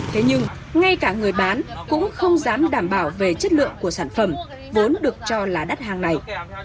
thế nhưng ngay cả người bán cũng không dám đảm bảo về chất lượng của sản phẩm vốn được cho là đắt hàng này